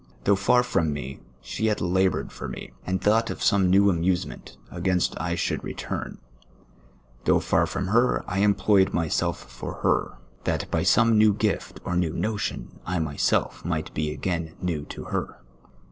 Though far from me, she yet labom*ed for me, and thought of some new amuse ment against I should return ; though far from her, I employed myself for her, that by some new gift or new notion I myself might be again new to her.